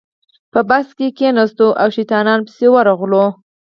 په بس کې کېناستو او شیطانانو پسې ورغلو.